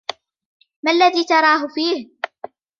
ما الذي تراهُ فيه ؟